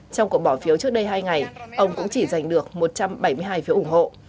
trong cuộc bỏ phiếu trước đây hai ngày ông cũng chỉ giành được một trăm bảy mươi hai phiếu ủng hộ